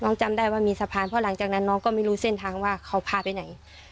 จำได้ว่ามีสะพานเพราะหลังจากนั้นน้องก็ไม่รู้เส้นทางว่าเขาพาไปไหน